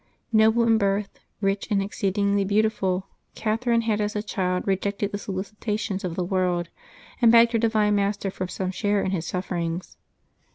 QOBLE in birth, ricli, and exceedingly beautiful, Cath erine had as a child rejected the solicitations of the world, and begged her divine Master for some share in His sufferings.